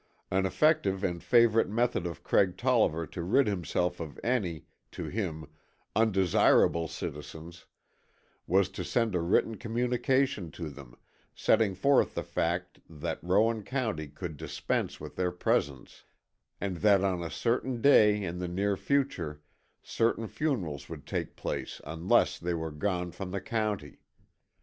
An effective and favorite method of Craig Tolliver to rid himself of any, to him, undesirable citizens, was to send a written communication to them, setting forth the fact that Rowan County could dispense with their presence, and that on a certain day in the near future certain funerals would take place unless they were gone from the county.